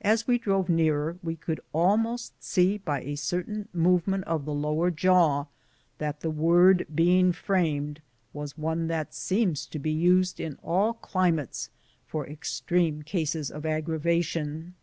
As we drove nearer we could almost see by a certain movement of the lower jaw that the word being framed was one that seems to be used in all climates for extreme cases of aggravation.